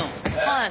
はい。